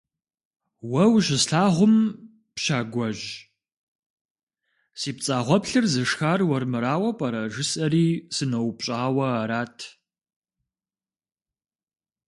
Уэ ущыслъагъум, Пщагуэжь, си пцӀагъуэплъыр зышхар уэрмырауэ пӀэрэ жысӀэри сыноупщӀауэ арат.